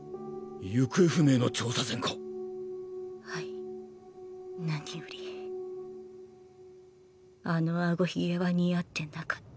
行方不明の調査船か⁉はい何よりあのアゴ鬚は似合ってなかった。